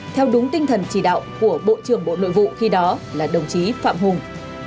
theo đúng tinh thần chỉ đạo của bộ trưởng bộ nội vụ khi đó là đồng chí phạm hùng